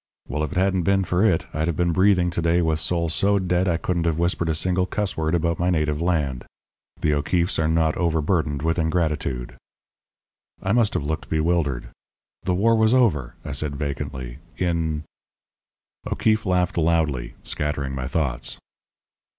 Well, if it hadn't been for it, I'd have been breathing to day with soul so dead I couldn't have whispered a single cuss word about my native land. The O'Keefes are not overburdened with ingratitude." I must have looked bewildered. "The war was over," I said vacantly, "in " O'Keefe laughed loudly, scattering my thoughts.